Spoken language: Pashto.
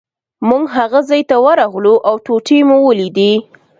موږ هغه ځای ته ورغلو او ټوټې مو ولیدې.